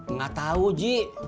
nggak tau ji